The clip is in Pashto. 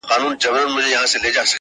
وو حاکم خو زور یې زیات تر وزیرانو،